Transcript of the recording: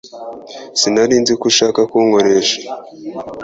Sinari nzi ko ushaka kunkorera